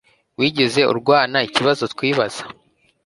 Wigeze urwana ikibazo twibaza